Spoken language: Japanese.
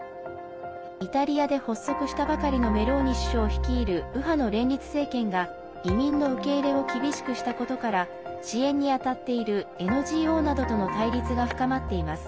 イタリアで発足したばかりのメローニ首相率いる右派の連立政権が移民の受け入れを厳しくしたことから支援に当たっているＮＧＯなどとの対立が深まっています。